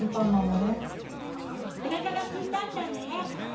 おなかがすいたんだね。